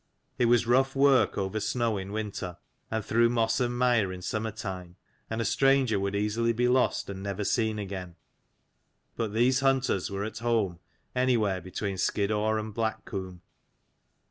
It was rough work over snow in winter and through moss and mire in summer time, and a stranger would easily be lost and never 114 seen again : but these hunters were at home anywhere between Skiddaw and Blackcomb.